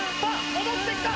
戻ってきた！